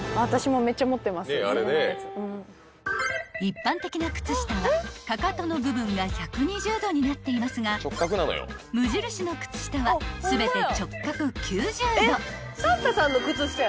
［一般的な靴下はかかとの部分が１２０度になっていますが無印の靴下は全て直角９０度］